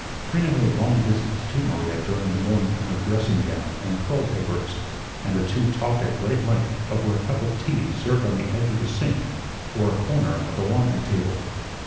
Trina made long visits to Maria during the morning in her dressing gown and curl papers, and the two talked at great length over a cup of tea served on the edge of the sink or a corner of the laundry table.